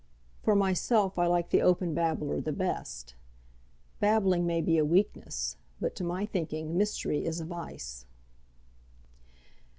For myself I like the open babbler the best. Babbling may be a weakness, but to my thinking mystery is a vice.